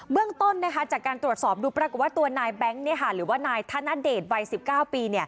เรื่องต้นจากการตรวจสอบดูปรากฏว่าตัวนายแบงค์หรือว่านายธนเดชวัย๑๙ปี